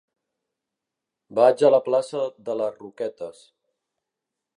Vaig a la plaça de les Roquetes.